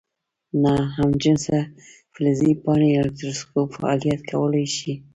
ناهمجنسه فلزي پاڼې الکتروسکوپ فعالیت کولی شي؟